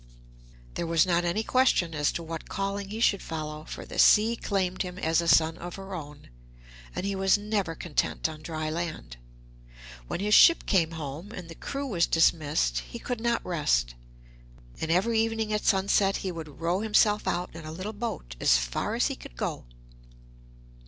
There was not any question as to what calling he should follow, for the sea claimed him as a son of her own, and he was never content on dry land. When his ship came home and the crew was dismissed, he could not rest, and every evening at sunset he would row himself out in a little boat as far as he could go.